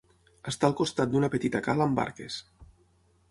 Està al costat d'una petita cala amb barques.